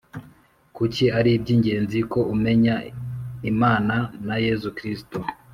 Kuki ari iby ingenzi ko umenya Imana na Yesu Kristo